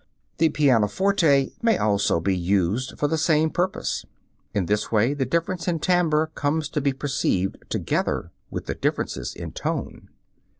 The pianoforte may also be used for the same purpose. In this way the difference in timbre comes to be perceived together with the differences in tone.